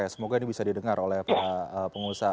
semoga ini bisa didengar oleh para pengusaha